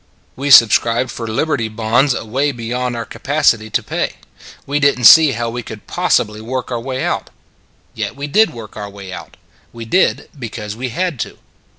We subscribed for Liberty Bonds away beyond our capacity to pay; we didn t see how we could possibly work our way out. Yet we did work our way out. We did because we had to.